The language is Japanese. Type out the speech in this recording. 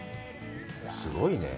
すごいね。